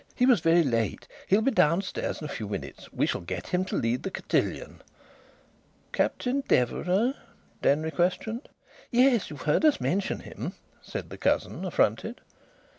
"He was very late. He'll be downstairs in a few minutes. We shall get him to lead the cotillon." "Captain Deverax?" Denry questioned. "Yes. You've heard us mention him," said the cousin, affronted.